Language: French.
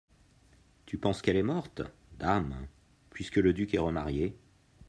Tu penses qu'elle est morte ? Dame ! puisque le duc est remarié.